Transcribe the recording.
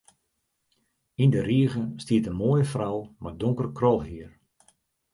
Yn de rige stiet in moaie frou mei donker krolhier.